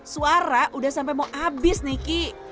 suara udah sampai mau habis nih ki